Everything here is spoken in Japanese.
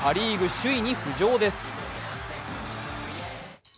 首位に浮上です。